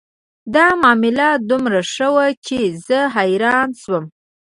دا معامله دومره ښه وه چې زه حیرانه شوم